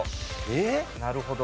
なるほど。